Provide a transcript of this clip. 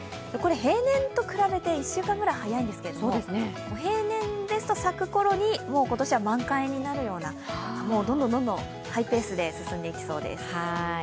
平年と比べて１週間くらい早いんですけれども平年ですと咲くころに今年は満開になるようなどんどんハイペースで進んでいきそうです。